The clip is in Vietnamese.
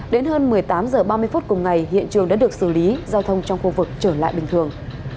đến hơn một mươi tám h ba mươi phút cùng ngày hiện trường đã được xử lý giao thông trong khu vực trở lại bình thường